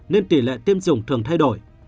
nên tỷ lệ tiêm chủng thường thay đổi